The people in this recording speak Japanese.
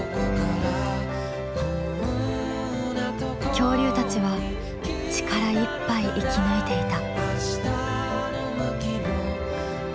恐竜たちは力いっぱい生き抜いていた。